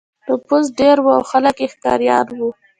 نفوس ډېر لږ و او خلک یې ښکاریان وو.